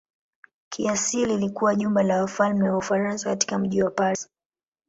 Kiasili ilikuwa jumba la wafalme wa Ufaransa katika mji wa Paris.